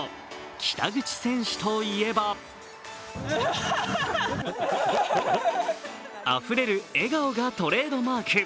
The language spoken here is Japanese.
北口選手と言えばあふれる笑顔がトレードマーク。